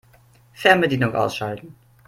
Fernbedienung ausschalten.